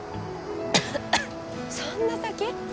そんな先！？